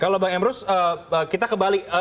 kalau bang emrus kita kembali